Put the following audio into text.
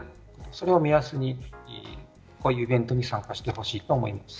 それを目安にそういうイベントに参加してほしいです。